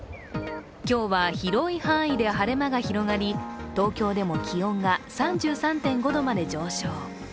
今日は広い範囲で晴れ間が広がり、東京でも気温が３３．５度まで上昇。